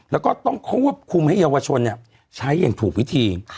แล้วก็ต้องควบคุมให้เยาวชนใช้อย่างถูกวิธี